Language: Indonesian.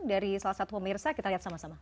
dari salah satu pemirsa kita lihat sama sama